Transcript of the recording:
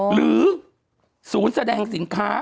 หรือศูนย์แสดงสินค้า